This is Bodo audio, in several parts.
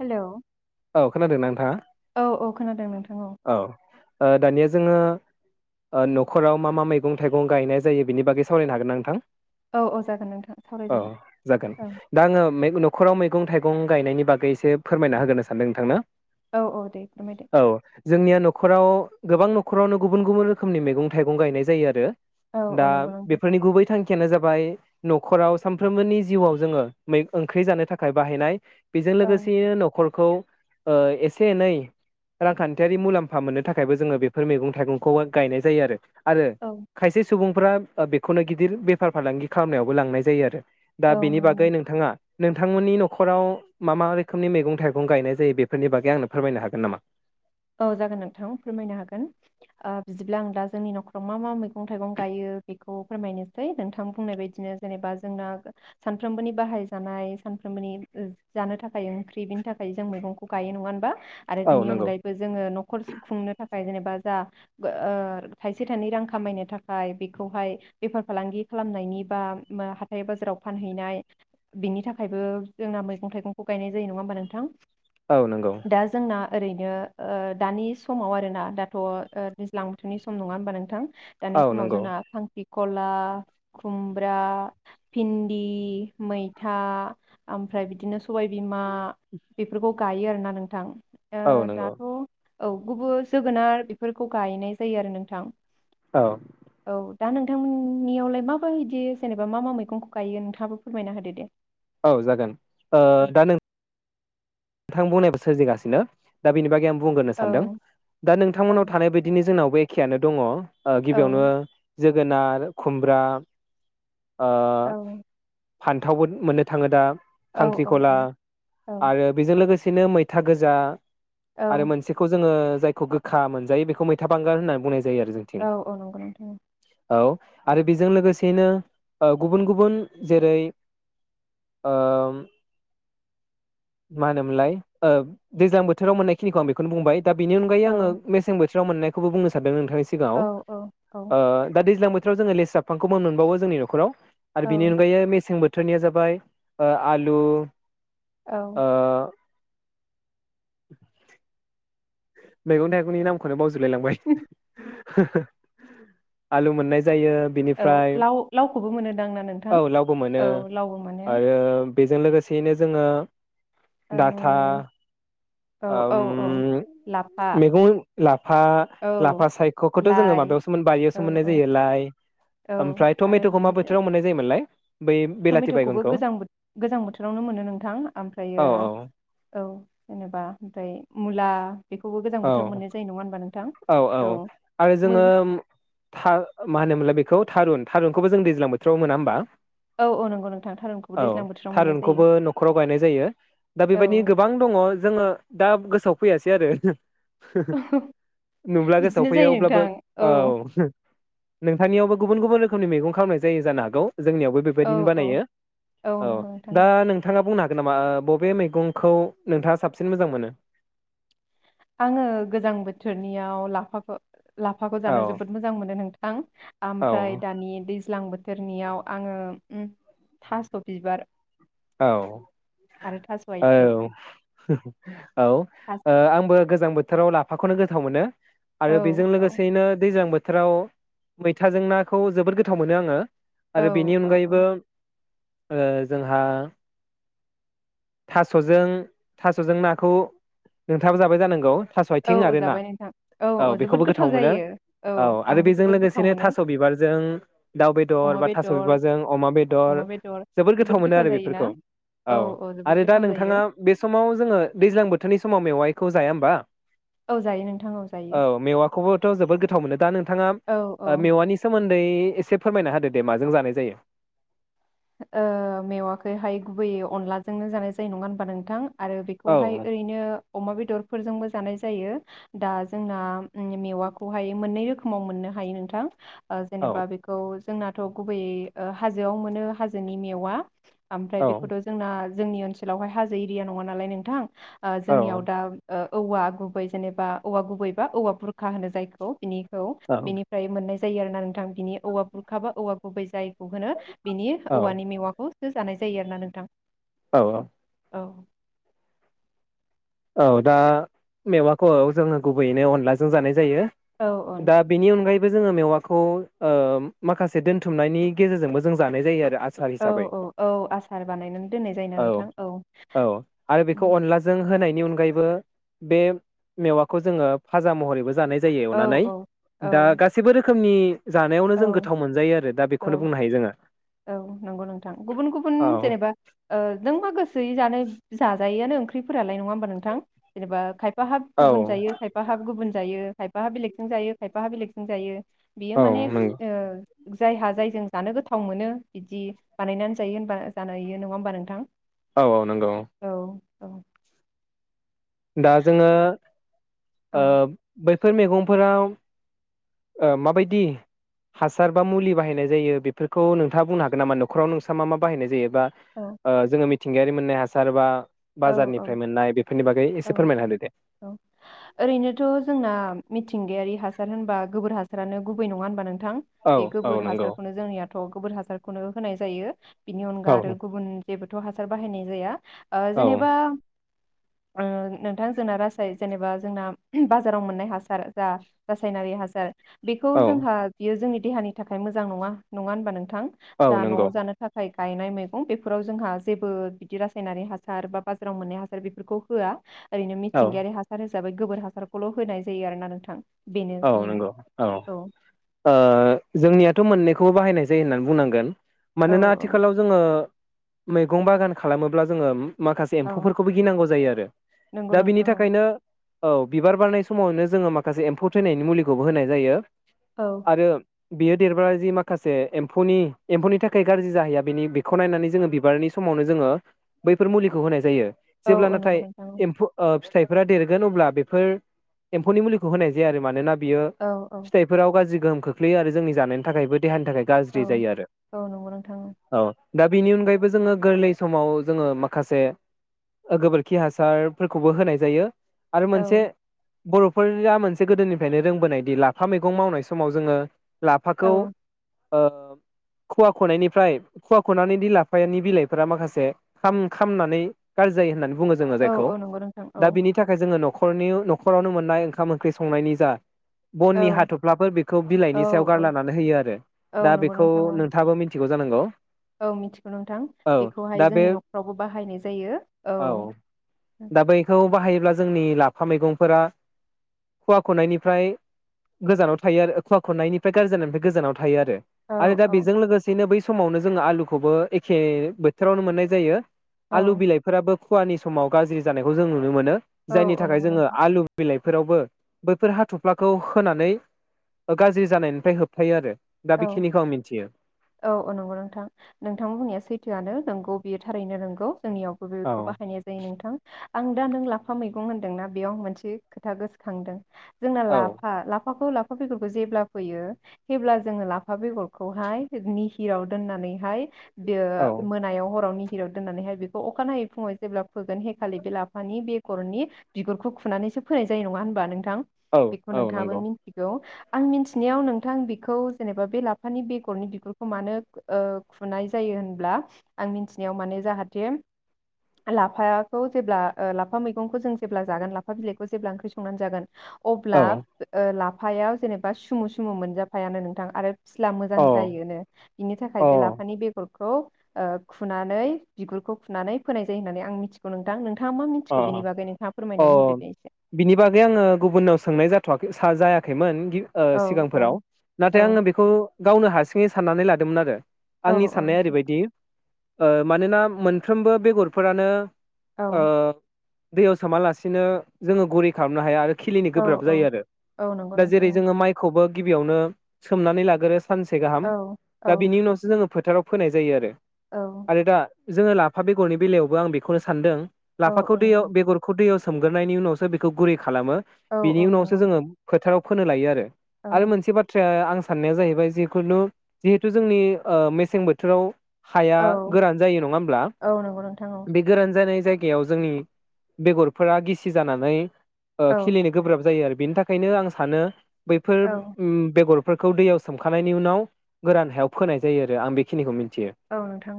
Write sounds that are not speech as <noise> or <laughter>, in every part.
हेलौ। औ खोनादों ना नोंथां? औ औ खोनादों नोंथां औ। ओ दानिया जोङो ओ न'खराव मा मा मैगं थाइगं गायनाय जायो बिनि बागै सावरायनो हागोन ना नोंथां? औ औ जागोन नोंथां औ सावरायजागोन जागोन औ दा आङो मे न'खराव मे गं थाइगं गायनायनि बागैएसे फोरमना होगोन सानदों नोंथांनो। औ औ दे फोरमायदो। औ जोंनिया न'खराव गोबां नखरावनो गुबुन गुबुन रोखोमनि मैगं थाइगं गायनाय जायो आरो औ औ दा नंगौ नोंथां बेफोरनि गुबै थांखि यानो जाबाय न'खराव सानफ्रोमबोनि जिउआव जोङो मै ओंख्रि जानो थाखाय बाहायनाय बेजों औ लोगोसेैनो न'खर खौ। ओ एसे एनै रांखान्थियारि मुलाम्फा मोननो थाखायबो जोङो बेफोर मैगं थाइगंखौ गायनाय जायो आरो आरो औ खायसे सुबुं फोरा बेखौनो गिदिर बेफार फालांगि खालामनायावबो लांनाय जायो आरो। दा औ बेनि नंगौ नोंथां बागै नोंथाङा नोंथांमोननि न'खराव मा मा रोखोमनि मैगं थाइगं गायनाय जायो? बेफोरनि बागै आंनो फोरमायनो हागोन नामा? औ जागोन नोंथां फोरमायनो हागोन बिदिब्ला आं दा जोंनि न'खराव मा मा मैगं थाइगं गायो बेखौ फोरमायनोसै नोंथां बुंनाय बायदिनो जेनेबा जोंना सानफ्रोमबोनि बाहाय जानाय सानफ्रोमबोनि जानो थाखाय ओंख्रि बेनि थाखाय जों मैगंखौ गायो नङा ओनबा? आरो औ बिनि नंगौ अनगायै जोङो नखर सुं- खुंनो थाखाय जेनेबा जा ओ थाइसे थाइनै रां खामायनो थाखाय बेखौहाय बेफार फालांगि खालामनायनि बा हाथाइ बाजाराव फानहैनाय बिनि थाखायबो जोंना मैगं थाइगंखौ गायनाय जायो नङा होमबा नोंथां? औ नंगौ दा जोंना ओरैनो ओ दानि समाव आरोना दाथ ओ दैज्लां बोथोरनि सम नङा होमबा नोंथां दानि औ समाव नंगौ जोंना खांख्रि खला, खुमब्रा, भिन्दि, मैथा ओमफ्राय बिदिनो सबायबिमा बेफोरखौ गायो आरोना नोंथां ओ औ नंगौ दाथ' औ गुबुन जोगोनार बेफोरखौ गायनाय जायो आरो नोंथां औ औ दा नोंथांमोननियावलाय मााबा बिदि जेनेबा मा मा मैगंखौ गायो नोंथाङाबो फोरमायना होदो दे औ जागोन ओ औ दा नों नोंथां बुंनायबो सोरजिगासिनो दा बेनि बायै आं बुंग्रोनो सानदों औ दा औ नोंथांमोननाव थानाय बायदिनो जोंनाव बेखेयानो दङ ओ औ गिबियावनो जोगोनार, खुमब्रा ओ औ फान्थावबो मोननो थाङो दा खांख्रिखला औ औ आरो बेजों लोगोसेनो मैथा गोजा औ आरो मोनसेखौ जोङो जायखौ गोखा मोनजायो बेखौ मैथा बांगाल होननानै बुंनाय जा औ औ नंगौ नोंथां औ आरो बेजों लोगोसेनो ओ गुबुन गुबुन जेरै मा होनोमोनलाय ओ दैज्लां बोथोराव मोननायखिनिखौ आं बेखौनो बुंबाय दा बि अनगायै औ आङो मेसें बो बोथोराव मोननायखौबो बुंनो सानदों नों थांनि सिगांआव औ औ औ ओ दा दैज्लां बो सिगाङाव जोङो लेस्रा बिफांखौबो मोनबावो जोंनि न'खराव आरो बिनि औ अनगायै मेसें बो थोरनिया जाबाय आलु औ मैगं-थाइगंनि नामखौनो बाव जोलाय लांबाय। आलु मोननाय जायो औ बिनिफ्राय लाव लावखौबो मोनोदां ना नोंथां औ लावबो मोनो औ लावबो मोनो। आरो बेजों लोगोसेयैनो जोङो ओ दाथा औ औ ओम औ लाफा मेगं लाफा औ लाफा सायखखौथ जोङो लाइ माबायावसो मोन औ बारियावसो मोननाय औ जायो लाय औ ओमफ्राय आरो टमेटखौ मा बिनिफ्राय बोथोराव मोननाय जायोमोनलाय? बै बेलाथि टमेटखौबो बायगनखौ गोजां बोथ गोजां बोथोरावनो मोनो नोंथां ओमफ्रायो औ औ औ जेनेबा ओमफ्राय मुला बेखौबो गोजां औ बोथोराव मोननाय जायो नङा होनबा नोंथां औ औ आरो मो जोङो था मा होनोमोनलाय बेखौ थारुन थारुनखौबो जों दैज्लां बोथोराव मोना होनबा। औ औ नंगौ नोंथां थारुनखौबो औ दैज्लां बोथोराव मोननाय जायो थारुनखौबो नखराव गायनाय जायो दा औ बेबायदि गोबां दङ जोङो दा गोसोआव फैयासै आरो नुब्ला गोसोआव बिदिनो जायो फैयो अब्लाबो नोंथां औ। नोंथांनियावबो गुबुन गुबुन रोखोमनि मैगं खालामनाय जायो जानो हागौ। जोंनियावबो औ बेबायदिनो औ बानायो औ नंगौ नोंथां दा नोंथाङा बुंनो हागो गोन नामा बबे मैगंखौ नोंथाङा साबसिन मोजां मोनो। आङो गोजां बोथोरनियाव लाफाखो लाफाखौ जानो औ जोबोद मोजां मोनो नोंथां औ ओमफ्राय दानि दैज्लां बोथ थोरनियाव आङो ओम थास बिबार औ आरो थास' औ आथिं औ ओ आंबो गोजां बोथोराव लाफाखौनो गोथाव मोनो। औ आरो बेजों औ लोगोसेयैनो दैज्लां बोथ थोराव मैथाजों नाखौ जोबोर गोथाव मोनो आङो। आरो बेनि औ औ अनगायैबो ओ जोंहा थासजों थासजों नाखौ नोंथाङाबो जाबाय जानांगौ। थास' औ आइथिं औ आरो ना जाबाय नोंथां औ जोबोद बेखौबो गोथाव मोनो जायो औ आरो आंबो बेजों जोबोद गोथाव लोगोसेनो मोनो थास' बिबारजों दाउ बेदर अमा बा थास' बेदर बिबारजों अमा बेदर अमा बेदर जोबोद गोथाव मोनो आरो बे जायोना फोरखौ औ जोबोद आरो दा गोथाव जायो नोंथाङा बे समाव जोङो दैज्लां बोथोरनि समाव मेवाइखौ जाया होमबा? औ जायो नोंथां औ जायो मेवाखौबोथ जोबोद गोथाव मोनो दा नोंथाङा औ औ मेवानि सोमोन दै एसे फोरमायना होदो दे माजों जानाय जायो। ओ मेवाखैहाय गुबैयै अनलाजोंनो जानाय जायो नङा होनबा नोंथां। आरो औ बेखौहाय ओरैनो अमा बेदरफोरजोंबो जानाय जायो दा जोंना मेवाखौहाय मोननै रोखोमाव मोननो हायो नोंथां ओ औ जेनेबा बेखौ जोंनाथ गुबैयै ओ हाजोआव मोनो हाजोनि मेवआ ओमफ्राय औ बेखौथ जोंना जोंनि ओनसोलावहाय हाजो एरिया नङा नालाय नोंथां आ औ जोंनियाव दा ओ औवा गुबै जेनेबा औवा गुबैबा औवा बुरखा होनो जायखौ बिनि खौ औ बेनिफ्राय मोननाय जायो आरो ना नोंथां बिनि औवा बुरखाबा औवा गुबै जायखौ होनो बिनि औ औवानि मेवाखौ होजानाय जायो आरो ना नोंथां औ औ औ औ दा मेवाखौ जोङो गुबैयैनो अनलाजों जानाय जायो औ औ दा बेनि अनगायै जोङो मेवाखौ ओ माखासे दोनथुमनायनि गेजेरजोंबो जों जानाय जायो आरो आसार औ हिसाबै औ औ आसार बानायनानै दोननाय जायोना नोंथां औ होनाय बेनि अनगायैबो बे मेवाखौ जोङो फाजा महरैबो जानाय जायो औ एवनानै औ रोखोमनि जानायावनो औ जों गोथाव मोनजायो आरो दा औ बेखौनो बुंनो हायो जोङो औ नंगौ नोंथां गुबुन- गुबुन औ जेनेबा नों मा गोसोयै जानो जाजायोआ नो ओंख्रिफोरालाय नङा होमबा नोंथां जेनेबा खायफा खायफा हाब औ गुबुन जायो खायफा हाब गुबुन जायो खायफा हा बेलेग जों जायो खायफाहा बेलेगसिजों जायो बियो औ माने नंगौ ओ जायहा जायजों जानो गोथाव मोनो बिदि बानायनानै जायो होनबा जानायो नङा होमबा नोंथां औ औ नंगौ औ औ दा जोङो औ ओ बै बेफोर मैगंफोराव माबायदि हासार बा मुलि बाहायनाय जायो बेफोरखौ नोंथाङा बुंनो हागोन नामा नखराव नोंस्रा मा मा बाहायनाय जायो औ <unintelligible> ओ जोङो मि थिंगायारि मोननाय हासार बा औ औ बाजारनिफ्राय मोननाय बेफोरनि बागै औ एसे फोरमायना होदो दे औ ओरैनोथ जोंना मिथिंगायारि हास हासार होनबा गोबोर हासारानो गुबै नङा होनबा नों थां औ बे औ गोबोर नंगौ हासारखौनो जोंनियाथ गोबोर हासार खौनो होनाय जायो बिनि औ अनगा आरो गुबुन जेबोद थ हासार बाहायनाय जाया। ओ औ जेनेबा ओ नोंथां जोंना रासाय जेनेबा जोंना बाजाराव मोननाय हासार जा रासायनारि हासार बेखौ औ जोंहा बियो जोंनि देहानि थाखाय मोजां नङा नङा होनोमबा नों थां औ जा नंगौ न'आव जानो थाखाय गायनाय मैगं बेफोराव जोंहा जेबो बिदि रासायनारि हास हासार बा बाजाराव मोननाय हासार बेफोरखौ होआ ओरैनो औ मिथिंगायारि हासार होस हिसाबै गोबोर हासारखौल होनाय जायो आरोना नोंथां। बेनो औ जोंनि नंगौ औ ओ जोंनियाथ' मोननैख खौ बाहायनाय जायो होननानै बुंनांगोन। औ मानोना आथिखालाव जोङो मैगं बागान खालामोब्ला जोङोम माखासे औ एम्फौफोरखौबो गिनांगौ जायो आरो नंगौ दा बिनि नोंथां औ थाखायनो औ बिबार बारनाय समावनो जोङो माखासे एम्फौ थैनायनि मुलिखौबो होनाय जायो औ आरो बियो देरबा जि माखासे एम्फौनि एम्फौनि थाखाय गाज्रि जाहैया बेनि बेखौ नायनानै जोङो बिबारनि समावनो जोङो बैफोर मुलिखौ होनाय जायो। औ जेब्ला औ नाथाय नंगौ नोंथां औ एम्फौ ओ फिथाइ <unintelligible> देरगोन अब्ला बेफोर एम्फौनि मुलिखौ होनायज जे आरो मानोना बियो औ औ फिथाइफोराव गाज्रि गोहोम खोख्लैयो आरो जोंनि जानायनि थाखायबो देहानि थाखाय औ गाज्रि जायो आरो औ नंगौ नोंथां औ दा बिनि अनगायैबो जोङो गोरलै समाव जोङो माखासे गोबोरखि हासारफोरखौबो होनाय जायो। आरो औ मोनसे बरफोररा मोनस गोदोनिफ्रायनो रोंबोनायदि लाफा मैगं मावनाय समाव जोङो। औ लाफाखौ ओ खुवा खुनायनिफ्राय खुवा खुनानैदि लाफानि बिलाफोरा माखसे सान खामनानै गाज्रि जायो होननानै बुङो जोङो जायखौ औ नंगौ नोंथां दा औ बिनि थाखाय जोङो नख नखरनि नखरावनो मोननाय ओंखाम ओं ख्रि संनायनि जा औ बननि हाथफ्लाफोर बेखौ औ बिलाइनि सायाव औ गारलानानै होयो आरो औ दा नंगौ बेखौ नोंथां औ नोंथाङाबो मि मिथिगौ जानांगौ औ मिथिगौ नोंथां औ बेखौहाय दा बे जोंनि नखरावबो बाहायनाय जायो औ दा बैखौ बाहायोब्ला जोंनि लाफा मैगंफोरा खुवा खुनायनिफ्राय गोजानाव थायो आरो खुवा खुनायनिफ्राय गाज्रि जानायनिफ्राय गोजानाव थायो आरो औ आरो दा औ बेजों लोगोसेनो बै समावनो जोङो आलुखौबो एखे बोथोरावनो मोननाय जायो औ आलु बिलाइफोराबो खुवानि समाव गाज्रि जानायखौ जों नुनो मोनो औ जायनि औ थाखाय नंगौ जोङो नोंथां आलु बिलाइ फोरावबो बैफोर हाथफ्लाखौ होनानै गाज्रि जानायनिफ्राय होबथायो आरो। दा औ बेखिनिखौ आं मिथियो औ औ नंगौ नोंथां नोंथां बुंनाया सैथोआनो नोंगौ बियो थारैनो नोंगौ जोंनियावबो औ बेखौ बाहायनाय जायो नोंथां आं दा नों लाफा मैगं होन्दोंना बेयाव मोनसे खोथा गोसोखांदों जोंना औ लाफा ला फाखौ लाफा बेगरखौ जेब्ला फैयोे हेब्ला जोङो लाफा बेगर खौहाय नि निहिराव दोननानैहाय बेयो औ मोनायाव हराव नि निहिराव दोननानैहाय बेखौ अखानाय है फुङाव जेब्ला फोगोन हेखालि बे लाफानि बे बेगरनि बिगुरखौ खुनानैसो फोनाय जायो नङा होनबा नों थां औ बेखौ औ नोंथाङाबो नंगौ मिथिगौ आं मिथिनायाव नोंथां बेखौ जेनेबा बे लाफानि बेगरनि बिगुरखौ मानो ओ खुनाय जायो होनब्ला आं मिथिनायाव माने जाहाथे लाफाखौ जेब्ला लाफा मैगंखौ जों जेब्ला जागोन लाफा बिलाइखौ जेब्ला ओंख्रि संनानै जागोन अब्ला औ ओ ला फायाव जेनेबा सुमु सुमु मोनजाफायानो नों थां आरो फिस्ला मोजां औ जायोनो बिनि अ थाखाय बे लाफानि बेगर खौ ओ खुनानै बिगुरखौ खुनानै फोनाय जायो होननानै आं मिथिगौ नोंथां नों अ अ बिनि अ दे एसे बिनि बागै आङो गुबुननाव सोंनाय जाथवाखै सा जायाखैमोन गि ओ औ औ सिगांफोराव औ नाथाय आङो बेखौ गावनो हारसिङै साननानै लादोंमोनआरो औ आंनि साननाया ओरैबायदि ओ मानोना मोनफ्रोमबो बेगरफोरानो औ औ ओ दैयाव सोमालासिनो जोङो गुरै खालामनो हाया आरो खिलिनो औ गोब्राब औ जायोआरो औ नंगौ दा नोंथां जेरै औ जोङो माइखौबो गिबियावनो सोमनानै लाग्रो सानसे गाहाम औ दा बिनि उनावसो जोङो फोथाराव फोनाय जायोआरो औ आरो दा जोङो लाफा बेगरनि बेलायावबो आं बेखौनो सानदों औ लाफाखौ औ दैयाव नंगौ बेगरखौ दैयाव सो सोमग्रायनायनि उनावसो बेखौ गुरै खालामो औ बिनि औ उनावसो नंगौ जोङो फोथाराव फोनो लायोआरो औ आरो मोनसे बाथ्राया आं साननाया जाहैबाय जिखुनु जिहेथु जोंनि ओ मेसें बोथोराव हाया औ गोरान जायो नङा होमब्ला औ नंगौ नोंथां औ बे गोरान जानाय जाय गायाव जोंनि बेगरफोरा गिसि जानानै ओ औ खिलिनो गोब्राब जायो आरो बिनि थाखायनो आं सानो बैफोर औ ओम बेगर फोरखौ दैयाव सोमखानायनायनि उनाव गोरान हायाव फोनाय जायोआरो आं बेखिनिखौ मिन्थि औ नोंथां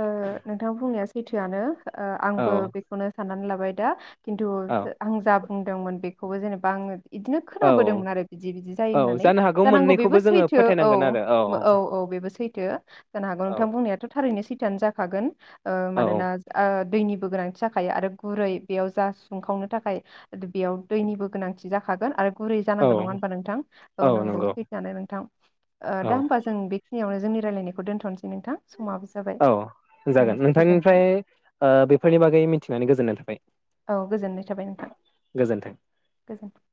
ओ नोंथां बुंनाया सैथोआनो ओ औ आंबो बेखौनो साननानै लाब बाय दा खिन्थु औ आं जा बुंदोंमोन बे खौबो जेनेबा आङो बिदिनो औ खोनाबोदोंमोन आरो बिदि-बिदि जायो औ होननानै जानो हागौ जानांगौ मोननैखौबो बेबो जोङो सैथो औ फोथायनांगोन आरो औ औ बेबो सैथो जानो हागौ औ नोंथां बुंनायाथ' थारैनो सैथ जाखागोन, ओ औ मानोना ओ दैनिबो गोनां जाखायो आरो गुरै बेयाव जा सुंखावनो थाखाय बेयाव दैनिबो गोनांथि जाखागोन आरो गुरै औ जानांगौ नङा होनबा नोंथां औ नंगौ सैथोनो नोंथां ओ औ दा होनबा जों बि बेनियावनो जोंनि रायलायनायखौ दोनथ'नोसै नोंथां समाबो जाबाय, औ जागोन एसेनोसै गोजोन्थों नोंथांनिफ्राय बेफोरनि बागै मिथिनानै गोजोननाय थाबाय। औ गोजोननाय थाबाय नोंथां गोजोन्थों गोजोनथों।